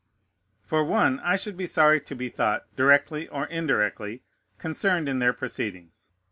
For one, I should be sorry to be thought directly or indirectly concerned in their proceedings.